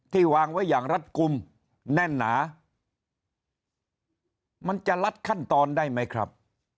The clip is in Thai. วางไว้อย่างรัดกลุ่มแน่นหนามันจะลัดขั้นตอนได้ไหมครับ